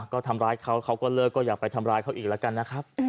ก็ทำร้ายเขาเขาก็เลิกก็อย่าไปทำร้ายเขาอีกแล้วกันนะครับ